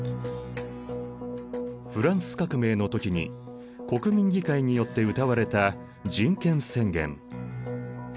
フランス革命の時に国民議会によってうたわれた人権宣言。